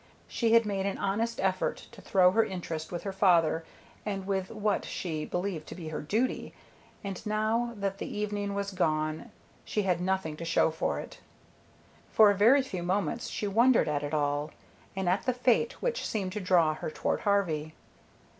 She had made an honest effort to throw her interest with her father and with what she believed to be her duty, and now that the evening was gone she had nothing to show for it. For a very few moments she wondered at it all, and at the fate which seemed to draw her toward Harvey.